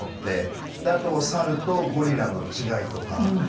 であと猿とゴリラの違いとか。